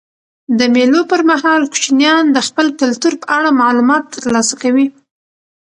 د مېلو پر مهال کوچنيان د خپل کلتور په اړه معلومات ترلاسه کوي.